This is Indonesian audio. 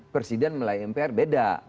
presiden melalui mpr beda